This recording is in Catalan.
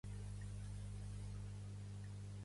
La valoració es reflectirà amb un nombre enter i un decimal.